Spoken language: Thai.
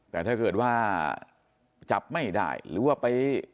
แต่ถ้าเกิดว่าจับไม่ได้หรือว่าไป